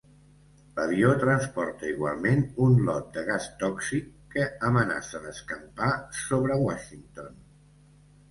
L'avió transporta igualment un lot de gas tòxic que amenaça d'escampar sobre Washington.